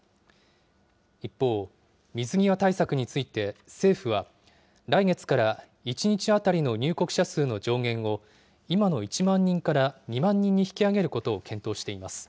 一方、水際対策について、政府は、来月から１日当たりの入国者数の上限を、今の１万人から２万人に引き上げることを検討しています。